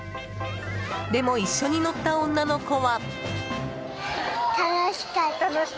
でも一緒に乗った女の子は。